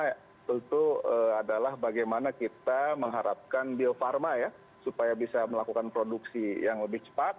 itu adalah bagaimana kita mengharapkan biofarma ya supaya bisa melakukan produksi yang lebih cepat